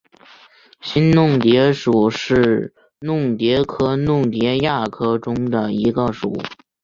新弄蝶属是弄蝶科弄蝶亚科中的一个属。